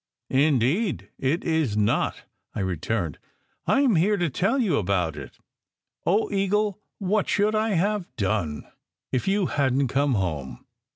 "Indeed it is not," I returned. "I m here to tell you about it. Oh, Eagle, what should I have done if you hadn t come home?"